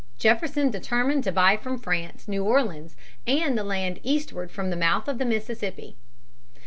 Jefferson determined to buy from France New Orleans and the land eastward from the mouth of the Mississippi.